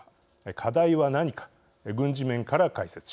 課題は何か軍事面から解説します。